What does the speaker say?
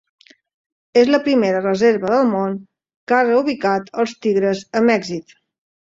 És la primera reserva del món que ha reubicat els tigres amb èxit.